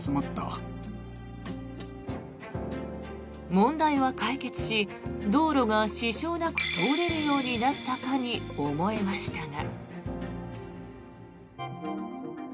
問題は解決し道路が支障なく通れるようになったかに思えましたが。